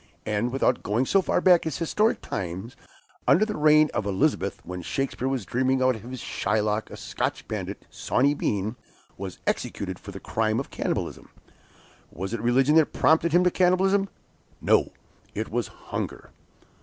And without going so far back as historic times, under the reign of Elizabeth, when Shakespeare was dreaming out his Shy lock, a Scotch bandit, Sawney Bean, was executed for the crime of cannibalism. Was it religion that prompted him to cannibalism? No! it was hunger."